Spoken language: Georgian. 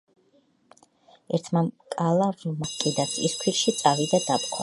ერთმა მკალავმა ვირს საფქვავი აჰკიდა, წისქვილში წავიდა, დაფქვა.